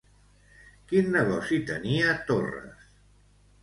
Quin negoci tenia Torres?